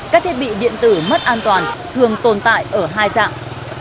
các thiết bị điện tử mất an toàn thường tồn tại ở hai dạng